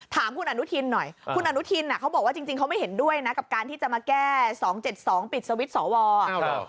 ถามคุณอนุทินหน่อยคุณอนุทินอ่ะเขาบอกว่าจริงเขาไม่เห็นด้วยนะกับการที่จะมาแก้๒๗๒ปิดสวิตช์สว